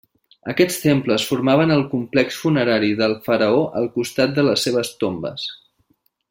Aquests temples formaven el complex funerari del faraó al costat de les seves tombes.